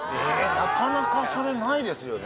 なかなかそれないですよね